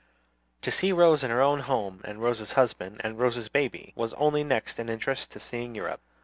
To see Rose in her own home, and Rose's husband, and Rose's baby, was only next in interest to seeing Europe.